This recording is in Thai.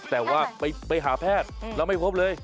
แต่ว่าไปหาแพทย์แล้วไม่พบเลย